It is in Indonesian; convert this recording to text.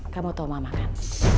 kamu tau mama kan